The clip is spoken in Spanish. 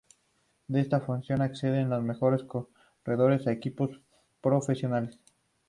De esta formación ascienden los mejores corredores a equipos profesionales.